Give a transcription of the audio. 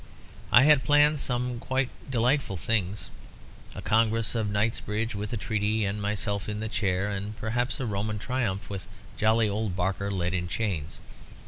I had planned some quite delightful things. A Congress of Knightsbridge with a treaty, and myself in the chair, and perhaps a Roman triumph, with jolly old Barker led in chains.